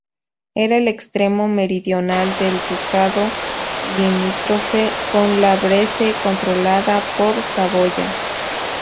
Era el extremo meridional del ducado, limítrofe con la Bresse, controlada por Saboya.